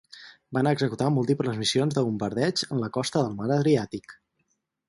Van executar múltiples missions de bombardeig en la costa del Mar Adriàtic.